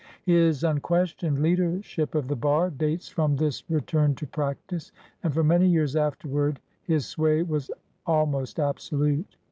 His unquestioned leader ship of the bar dates from this return to prac tice, and for many years afterward his sway was almost absolute.